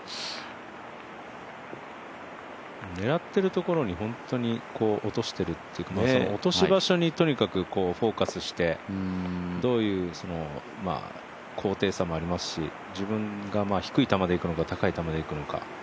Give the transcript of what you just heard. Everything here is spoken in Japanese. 狙っているところに落としているというか落とし場所にとにかくフォーカスして、どういう高低差もありますし自分が低い球でいくのか、高い球でいくのか